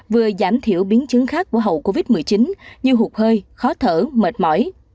vừa giảm thiểu biến chứng khác của hậu covid một mươi chín như hụt hơi khó thở mệt mỏi